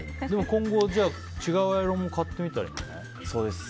今後は違うアイロンも買ってみたらいいんじゃない？